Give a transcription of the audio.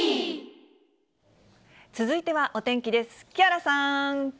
続いてはお天気です。